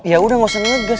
ya udah gak usah ngegas